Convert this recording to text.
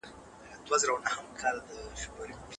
موږ ډېر ځله سمه میتودولوژي نه کاروو.